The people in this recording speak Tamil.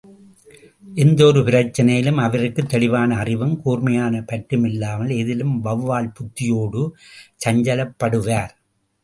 எந்த ஒரு பிரச்னையிலும் அவருக்குத் தெளிவான அறிவும், கூர்மையான பற்றும் இல்லாமல் எதிலும் வௌவால் புத்தியோடு சஞ்சலப்படுவார்.